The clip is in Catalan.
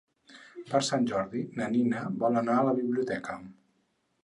Per Sant Jordi na Nina vol anar a la biblioteca.